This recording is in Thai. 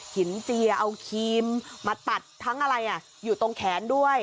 เจียเอาครีมมาตัดทั้งอะไรอยู่ตรงแขนด้วย